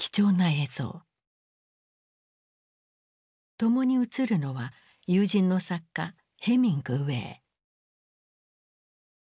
共に映るのは友人の作家ヘミングウェイ。